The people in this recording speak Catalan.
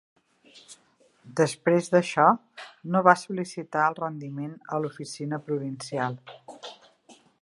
Després d'això no va sol·licitar el rendiment a l'oficina provincial.